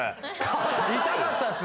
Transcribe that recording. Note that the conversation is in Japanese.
痛かったです